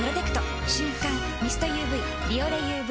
瞬感ミストＵＶ「ビオレＵＶ」